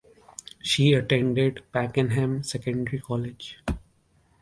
She attended Pakenham Secondary College.